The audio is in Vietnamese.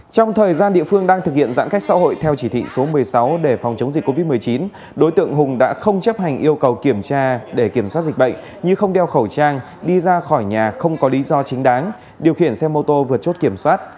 trong thời gian địa phương đang thực hiện giãn cách xã hội theo chỉ thị số một mươi sáu để phòng chống dịch covid một mươi chín đối tượng hùng đã không chấp hành yêu cầu kiểm tra để kiểm soát dịch bệnh như không đeo khẩu trang đi ra khỏi nhà không có lý do chính đáng điều khiển xe mô tô vượt chốt kiểm soát